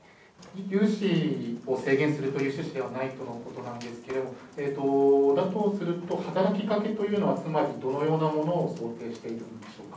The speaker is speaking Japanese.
融資を制限する趣旨ではないということなんですけれども、だとすると、働きかけというのは、つまりどのようなものを想定しているのでしょうか。